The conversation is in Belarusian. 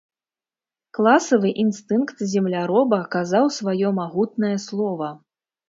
Класавы інстынкт земляроба казаў сваё магутнае слова.